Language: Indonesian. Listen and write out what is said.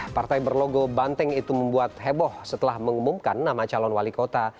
partai berlogo banteng itu membuat heboh setelah mengumumkan nama calon wali kota